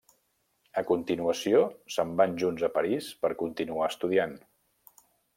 A continuació se'n van junts a París per continuar estudiant.